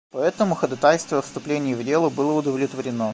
Поэтому ходатайство о вступлении в дело было удовлетворено.